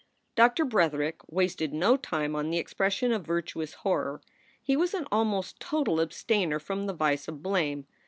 Doctor Bretherick wasted no time on the expression of virtuous horror. He was an almost total abstainer from the vice of blame.